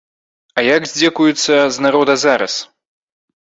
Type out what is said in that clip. А як здзекуюцца з народа зараз?